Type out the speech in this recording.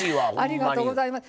ありがとうございます。